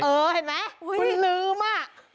อ๋อเห็นไหมคุณลืมว่ะ